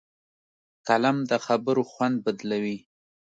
قلم د خبرو خوند بدلوي